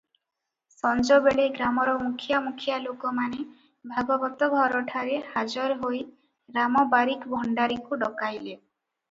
ସଞ୍ଜବେଳେ ଗ୍ରାମର ମୁଖିଆ ମୁଖିଆ ଲୋକମାନେ ଭାଗବତଘରଠାରେ ହାଜର ହୋଇ ରାମ ବାରିକ ଭଣ୍ଡାରିକୁ ଡକାଇଲେ ।